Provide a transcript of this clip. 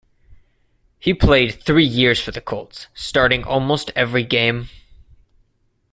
He played three years for the Colts, starting almost every game.